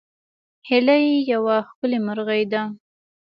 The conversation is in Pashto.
هیلۍ یوه ښکلې مرغۍ ده